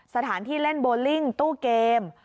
สถานที่เล่นโบลิ่งตู้เกม